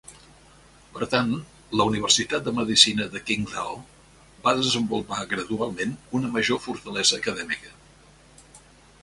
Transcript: Per tant, la universitat de medicina de Qingdao va desenvolupar gradualment una major fortalesa acadèmica.